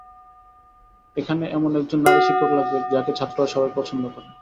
এখানে এমন একজন নারী শিক্ষক লাগবে, যাঁকে ছাত্ররা সবাই পছন্দ করে।